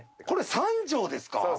これ３畳ですか？